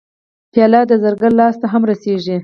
پیاله د زرګر لاس ته هم رسېږي.